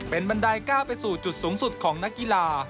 เป็นบันไดก้าวไปสู่จุดสูงสุดของนักกีฬา